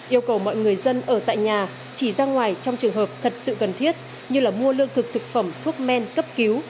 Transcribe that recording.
yêu cầu mọi người dân ở tại nhà chỉ ra ngoài trong trường hợp thật sự cần thiết như mua lương thực thực phẩm thuốc men cấp cứu